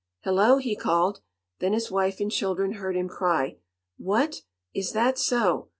"Hello!" he called. Then his wife and children heard him cry: "What! Is that so!